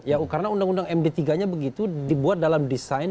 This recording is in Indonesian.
ya karena undang undang md tiga nya begitu dibuat dalam desain